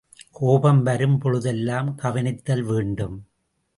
கோபம் வரும் பொழுதெல்லாம் கவனித்தல் வேண்டும்.